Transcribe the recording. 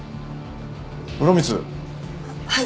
風呂光。ははい。